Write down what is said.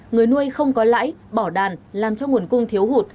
người nuôi không có lãi bỏ đàn làm cho nguồn cung thiếu hụt